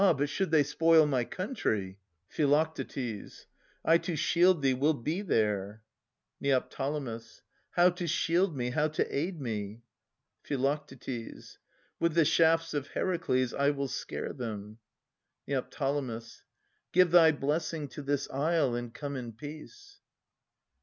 but should they spoil my country! Phi. / to shield thee will be there. Neo. How to shield me, how to aid me ? Phi. With the shafts of Heracles I will scare them. ■ Neo. Give thy blessing to this isle, and come in peace.